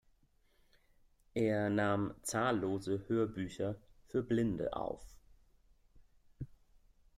Er nahm zahllose Hörbücher für Blinde auf.